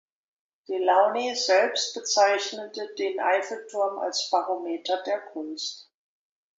Delaunay selbst bezeichnete den Eiffelturm als „Barometer der Kunst“.